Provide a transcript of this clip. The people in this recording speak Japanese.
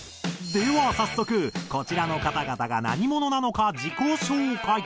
では早速こちらの方々が何者なのか自己紹介。